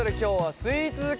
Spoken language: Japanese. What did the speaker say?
スイーツ大好き。